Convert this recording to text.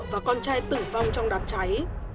và con trai tử vong trong đám cháy